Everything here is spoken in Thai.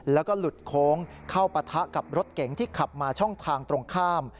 แล้วก็หลุดโค้งเข้าปะทะกับรถเก๋งที่ขับมาช่องทางตรงข้าม